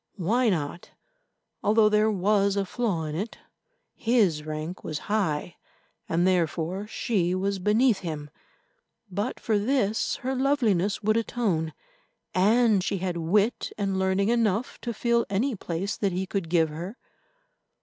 Why not? Although there was a flaw in it, his rank was high, and therefore she was beneath him; but for this her loveliness would atone, and she had wit and learning enough to fill any place that he could give her.